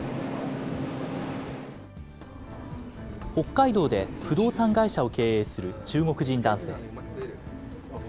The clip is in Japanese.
北海道で不動産会社を経営する中国人男性。